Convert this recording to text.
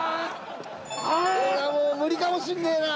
俺はもう無理かもしんねえな